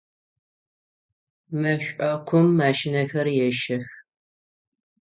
Мэшӏокум машинэхэр ещэх.